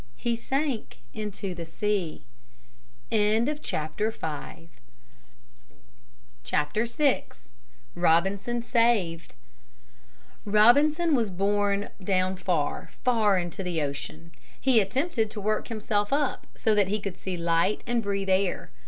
He sank into the sea. VI ROBINSON SAVED Robinson was borne down far, far into the ocean. He attempted to work himself up, so that he could see light and breathe the air.